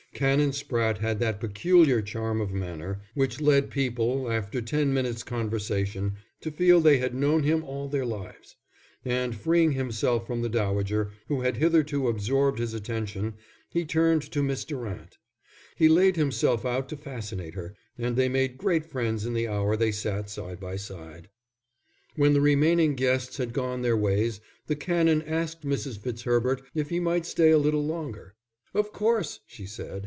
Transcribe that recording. Canon Spratte had that peculiar charm of manner which led people, after ten minutes' conversation, to feel they had known him all their lives; and freeing himself from the dowager, who had hitherto absorbed his attention, he turned to Miss Durant. He laid himself out to fascinate her, and they made great friends in the hour they sat side by side. When the remaining guests had gone their ways, the Canon asked Mrs. Fitzherbert if he might stay a little longer. "Of course," she said.